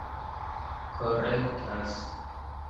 korektas